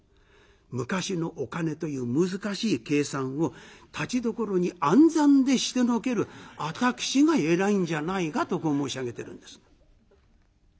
昔のお金という難しい計算をたちどころに暗算でしてのける私がえらいんじゃないかとこう申し上げてるんです。